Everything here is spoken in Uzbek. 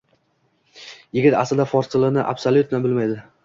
Yigit aslida fors tilini absolyutno bilmaydi.